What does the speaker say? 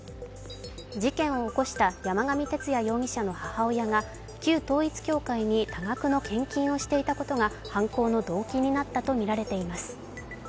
事件を起こした山上徹也容疑者の母親が旧統一教会に多額の献金をしていたことが犯行の動機になったとみられています。